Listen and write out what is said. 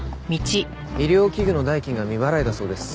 医療器具の代金が未払いだそうです。